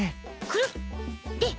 くるっ！